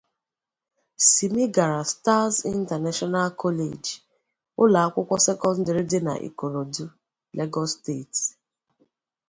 Simi gara Stars International College, ụlọ akwụkwọ sekọndrị dị na Ikorodu, Lagos State.